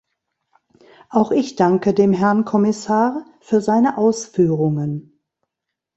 Auch ich danke dem Herrn Kommissar für seine Ausführungen.